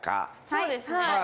そうですね。